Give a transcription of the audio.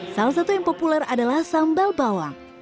salah satu yang populer adalah sambal bawang